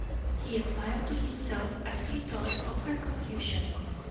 He smiled to himself as he thought of her confusion.